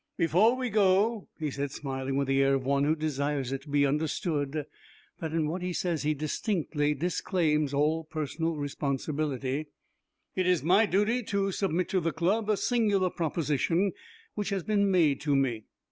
"Before we go," he said, smiling with the air of one who desires it to be understood that in what he says he distinctly disclaims all personal responsibility, "it is my duty to submit to the Club a singular proposition which has been made to me.